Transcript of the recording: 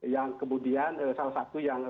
yang kemudian salah satu yang